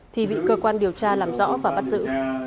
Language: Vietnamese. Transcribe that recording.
thì bị cơ quan điều tra làm rõ và bắt giữ